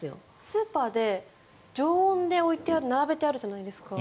スーパーで常温で並べてあるじゃないですか。